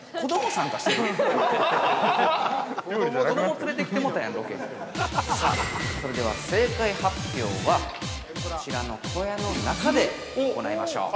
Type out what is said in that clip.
さあ、それでは、正解発表はこちらの小屋の中で行いましょう。